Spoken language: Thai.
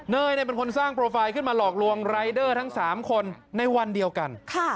เป็นคนสร้างโปรไฟล์ขึ้นมาหลอกลวงรายเดอร์ทั้ง๓คนในวันเดียวกัน